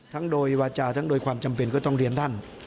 โดยวาจาทั้งโดยความจำเป็นก็ต้องเรียนท่าน